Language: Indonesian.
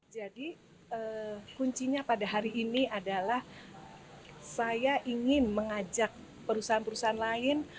jadi kuncinya pada hari ini adalah saya ingin mengajak perusahaan perusahaan lain